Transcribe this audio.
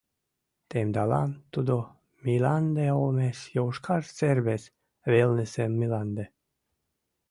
Темдалан тудо миланде олмеш йошкар сер вес велнысе миланде.